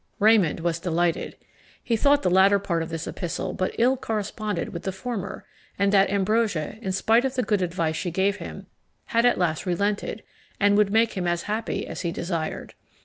Raymond was delighted. He thought the latter part of this epistle but ill corresponded with the former, and that Ambrosia, in spite of the good advice she gave him, had at last relented, and would make him as happy as he desired.